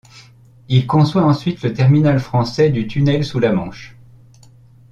Il conçoit ensuite le terminal français du tunnel sous la Manche.